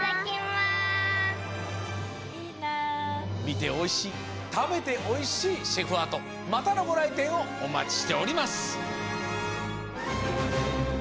みておいしいたべておいしいシェフアートまたのごらいてんをおまちしております。